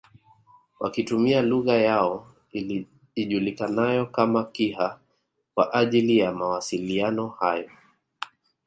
Wakitumia lugha yao ijulikanayo kama Kiha kwa ajili ya mwasiliano yao